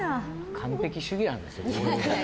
完璧主義なんですよ。